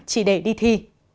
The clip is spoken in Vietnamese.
chỉ để đi thi